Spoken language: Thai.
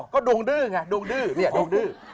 ก็ดวงดื้อไงดวงดื้อเนี่ยดวงดื้อ